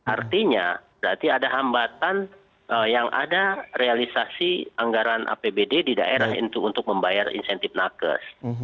artinya berarti ada hambatan yang ada realisasi anggaran apbd di daerah itu untuk membayar insentif nakes